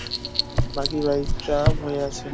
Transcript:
বাকি বাইকাররা ভয়ে আছে।